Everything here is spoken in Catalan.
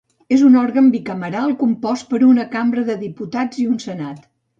És un òrgan bicameral compost per una Cambra de Diputats i un Senat.